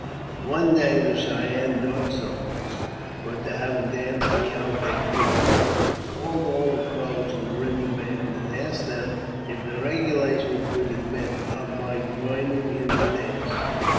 One day the Cheyenne Dog Soldiers were to have a dan( and count their coos. I called all the Crows who were in ty band, and asked them if the regulations would admit of m] joining in the dance.